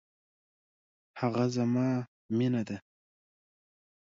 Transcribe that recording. هغه زما مینه ده